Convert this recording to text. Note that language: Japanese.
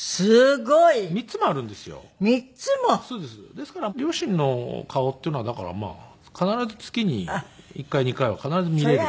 ですから両親の顔っていうのはだからまあ必ず月に１回２回は必ず見れるんで。